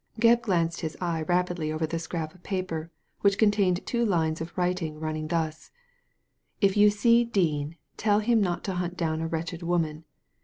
Gebb glanced his eye rapidly over the scrap of paper, which contained two lines of writing running thus :" If you see Dean, tell him not to hunt down a wretched woman.